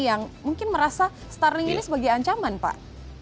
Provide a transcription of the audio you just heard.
yang mungkin merasa starling ini sebagai ancaman pak